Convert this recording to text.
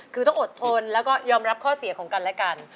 คือต้องอดทนแล้วก็ยอมรับข้อเสียของกันและกัน